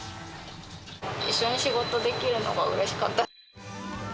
一緒に仕事できるのが、うれしかった。